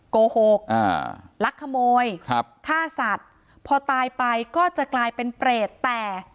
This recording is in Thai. โกหกอ่าลักขโมยครับฆ่าสัตว์พอตายไปก็จะกลายเป็นเปรตแต่